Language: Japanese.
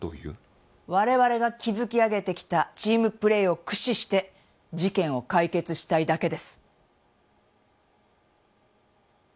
我々が築き上げてきたチームプレーを駆使して事件を解決したいだけです。